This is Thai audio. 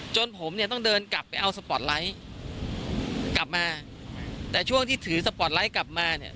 จนผมเนี่ยต้องเดินกลับไปเอาสปอร์ตไลท์กลับมาแต่ช่วงที่ถือสปอร์ตไลท์กลับมาเนี่ย